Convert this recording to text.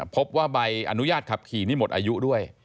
พบว่าใบอนุญาตขับขี่นี่หมดอายุด้วย